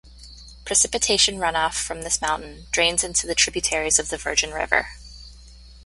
Precipitation runoff from this mountain drains into tributaries of the Virgin River.